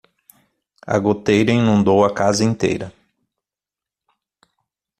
A goteira inundou a casa inteira